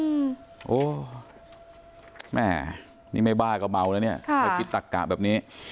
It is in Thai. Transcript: อืมโอ้แม่นี่ไม่บ้าก็เบาแล้วเนี้ยค่ะคิดตักกะแบบนี้